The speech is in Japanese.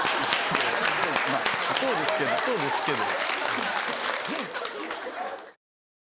そうですけどそうですけど。